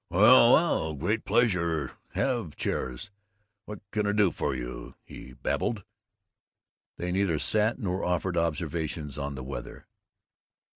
"Well, well, great pleasure, have chairs, what c'n I do for you?" he babbled. They neither sat nor offered observations on the weather.